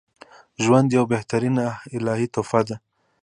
ژوند یوه بهترینه الهی تحفه ده